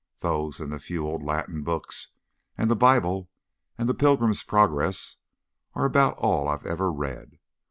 Those and the few old Latin books and the Bible and the Pilgrim's Progress are about all I've ever read.